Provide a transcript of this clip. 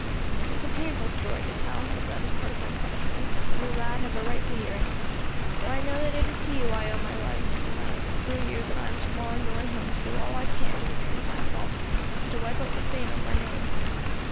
It is a painful story to tell, but that is part of my punishment; and you, lad, have a right to hear it, for I know that it is to you I owe my life, and that it is through you that I am to morrow going home to do all that I can to retrieve my fault, and to wipe out the stain on my name.